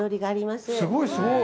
すごい、すごい。